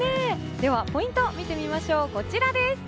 では、ポイントを見てみましょう。